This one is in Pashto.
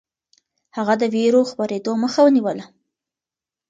هغه د وېرو خپرېدو مخه نيوله.